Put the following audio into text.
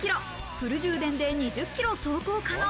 フル充電で２０ｋｍ走行可能。